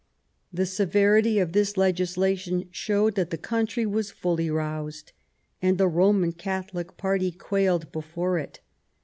The severity of this legislation showed that the country was fully roused, and the Roman Catholic party quailed before it.